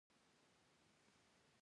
آیا یو تومان د لسو ریالو برابر نه دی؟